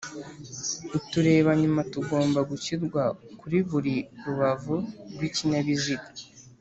uturebanyuma tugomba gushyirwa kuri buri rubavu rw’ikinyabiziga.